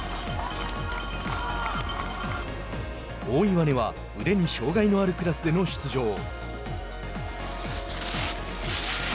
大岩根は腕に障害のあるクラスでの出場。